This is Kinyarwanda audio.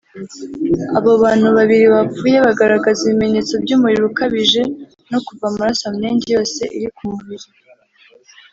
Abo bantu babiri bapfuye bagaragazaga ibimenyetso by’umuriro ukabije no kuva amaraso mu myenge yose iri ku mubiri